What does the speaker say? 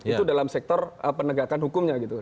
itu dalam sektor penegakan hukumnya gitu